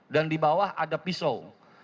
dan di bawah ada pisau